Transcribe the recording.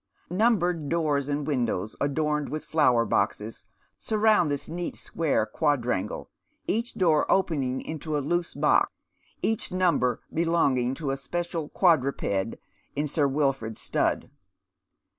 Numbered doors, and windows adorned with flower boxes, sun ound this neat square quadrangle, each door opening into a loose box, each number belonging to a special quadmped in Sir Wilford's stud.